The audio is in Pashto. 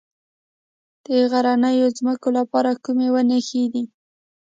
د غرنیو ځمکو لپاره کومې ونې ښې دي؟